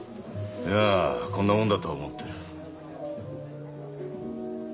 いやこんなもんだと思ってる。